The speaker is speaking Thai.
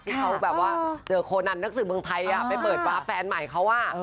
ที่เขาแบบว่าเจอโคนันนักสื่อเมืองไทยไปเปิดฟ้าแฟนใหม่เขา